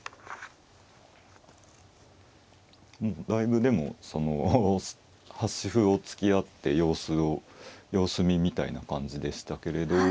だいぶでもその端歩を突き合って様子を様子見みたいな感じでしたけれど。